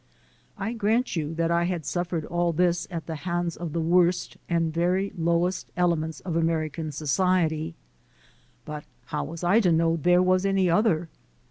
I grant you that I had suffered all this at the hands of the worst and very lowest elements of American society, but how was I to know there was any other?